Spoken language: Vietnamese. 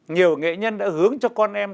nhiều nghệ nhân đã hướng cho con em